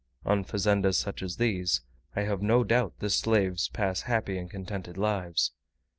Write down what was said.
On such fazendas as these, I have no doubt the slaves pass happy and contented lives.